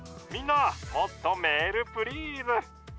「みんなもっとメールプリーズ。